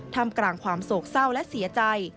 ทำกลางความโศกเศร้าและเสียใจ